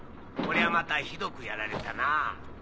こりゃまたひどくやられたなぁ。